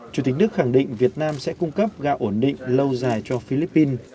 chủ tịch nước khẳng định việt nam sẽ cung cấp gạo ổn định lâu dài cho philippines